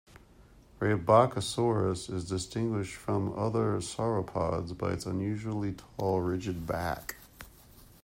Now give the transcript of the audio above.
"Rebbachisaurus" is distinguished from other sauropods by its unusually tall, ridged back.